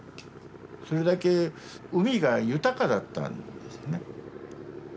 それだけ海が豊かだったんですね。